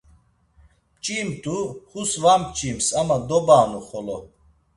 Mç̌imt̆u, hus va mç̌ims ama doba’nu xolo.